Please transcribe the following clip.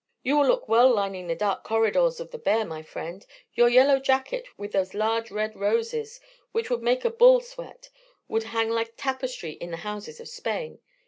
"You will look well lining the dark corridors of the bear, my friend. Your yellow jacket with those large red roses, which would make a bull sweat, would hang like tapestry in the houses of Spain.